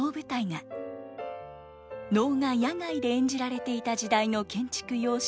能が野外で演じられていた時代の建築様式